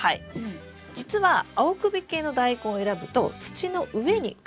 実は青首系のダイコンを選ぶと土の上に肩が長く出るんですよ。